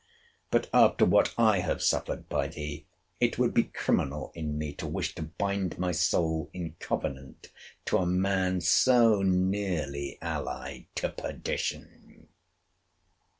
But, after what I have suffered by thee, it would be criminal in me to wish to bind my soul in covenant to a man so nearly allied to perdition.